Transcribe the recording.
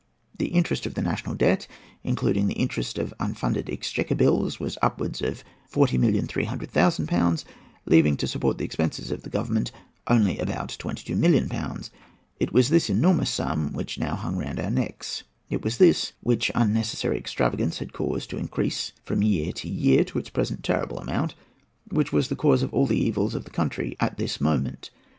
The interest of the national debt, including the interest of unfunded exchequer bills, was upwards of 40,300,000£, leaving to support the expenses of Government only about 22,000,000£ It was this enormous sum which now hung round our necks—it was this, which unnecessary extravagance had caused to increase from year to year to its present terrible amount, which was the cause of all the evils of the country at this moment.